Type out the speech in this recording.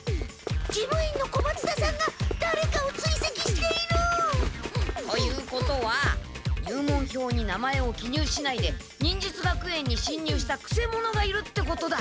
事務員の小松田さんがだれかをついせきしている！ということは入門票に名前を記入しないで忍術学園にしんにゅうしたくせ者がいるってことだ。